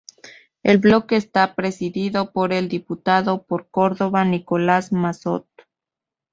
El bloque esta presidido por el diputado por Córdoba, Nicolás Massot.